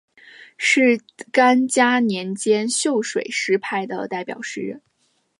是干嘉年间秀水诗派的代表诗人。